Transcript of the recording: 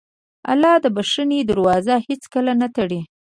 الله د بښنې دروازه هېڅکله نه تړي.